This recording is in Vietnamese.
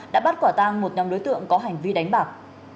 đã bắt quả tang một nhóm đối tượng có hành vi đánh bạc